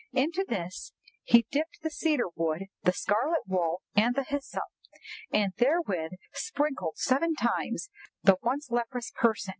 Into this he dipped the cedar wood, the scarlet wool, and the hyssop, and therewith sprinkled seven times the once leprous person.